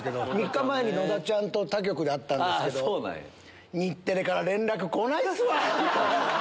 ３日前に野田ちゃんと他局で会ったんですけど「日テレから連絡来ないっすわ！」。